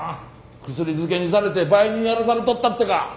薬漬けにされて売人やらされとったってか？